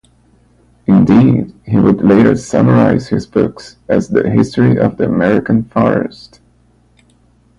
Indeed, he would later summarize his books as the history of the American forest.